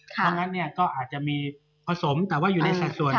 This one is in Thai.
เพราะฉะนั้นก็อาจจะมีผสมแต่ว่าอยู่ในสักส่วนที่